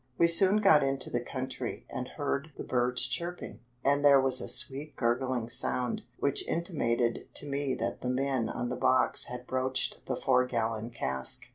We soon got into the country and heard the birds chirping, and there was a sweet gurgling sound, which intimated to me that the men on the box had broached the four gallon cask.